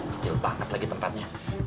kecil banget lagi tempatnya